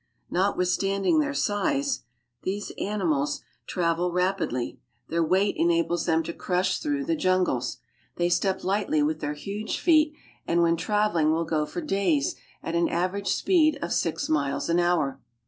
Notwithstanding their size, these animals travel rap ELEPHANTS AND IVORY J$l Idly Their weight enables them to crush througli the Rungles. They step Hghtly with their huge feet, and Fwhen traveling will go for days at an average speed of six Bmiles an hour.